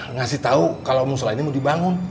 ngasih tau kalau musyola ini mau dibangun